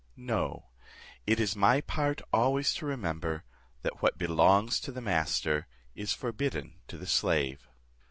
No, it is my part always to remember, 'that what belongs to the master is forbidden to the slave.'"